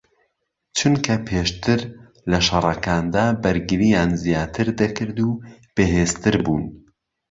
چونکە پێشتر لە شەڕەکاندا بەرگریان زیاتر دەکرد و بەهێزتر بوون